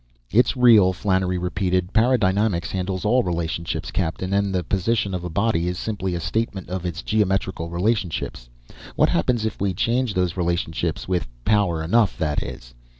"It's real," Flannery repeated. "Paradynamics handles all relationships, captain. And the position of a body is simply a statement of its geometrical relationships. What happens if we change those relationships with power enough, that is?